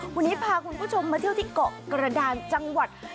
วันนี้พาคุณผู้ชมมาเที่ยวที่เกาะกระดานจังหวัด